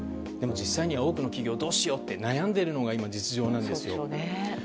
でも実際には多くの企業がどうしようと悩んでいるのが今の実情なんですよね。